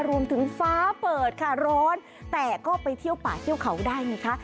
ฟ้าเปิดค่ะร้อนแต่ก็ไปเที่ยวป่าเที่ยวเขาได้ไงคะ